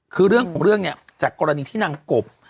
คือเรื่องของเรื่องเนี่ยจากกรณีที่นางกบ